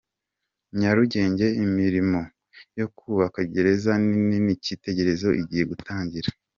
Nyarugenge Imirimo yo kubaka gereza nini y’icyitegererezo igiye gutangira